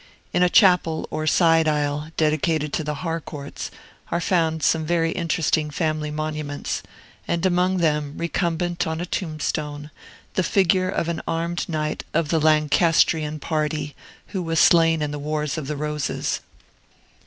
In a chapel or side aisle, dedicated to the Harcourts, are found some very interesting family monuments, and among them, recumbent on a tombstone, the figure of an armed knight of the Lancastrian party, who was slain in the Wars of the Roses.